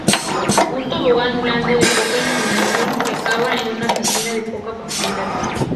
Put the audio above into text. Un tobogán blando de poca inclinación que acaba en una piscina de poca profundidad.